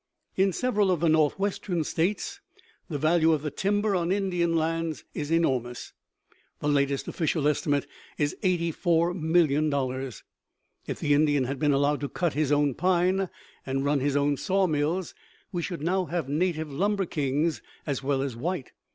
In several of the Northwestern States the value of the timber on Indian lands is enormous; the latest official estimate is eighty four million dollars. If the Indian had been allowed to cut his own pine and run his own sawmills, we should now have native lumber kings as well as white.